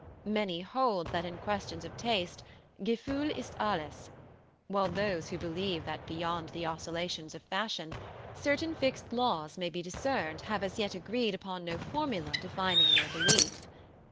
Many hold that in questions of taste Gefühl ist alles; while those who believe that beyond the oscillations of fashion certain fixed laws may be discerned have as yet agreed upon no formula defining their belief.